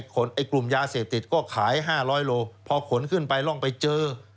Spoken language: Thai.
ขนไอ้กลุ่มยาเสพติดก็ขาย๕๐๐โลพอขนขึ้นไปร่องไปเจอ